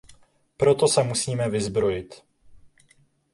Proto se musíme vyzbrojit.